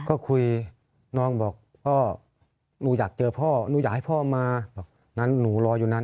ก็คุยน้องบอกพ่อหนูอยากเจอพ่อหนูอยากให้พ่อมาบอกนั้นหนูรออยู่นาน